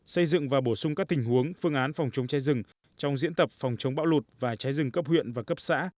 xây dựng và bổ sung các tình huống phương án phòng chống cháy rừng trong diễn tập phòng chống bão lụt và cháy rừng cấp huyện và cấp xã